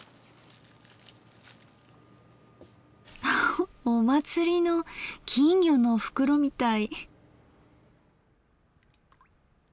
ハハお祭りの金魚の袋みたい。